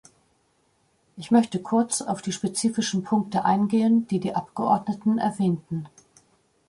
Ich möchte kurz auf die spezifischen Punkte eingehen, die die Abgeordneten erwähnten.